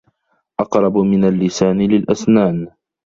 أقرب من اللسان للأسنان